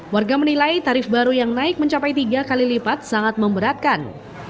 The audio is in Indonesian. warga menilai tarif baru yang naik mencapai tiga kali lipat sangat memberatkan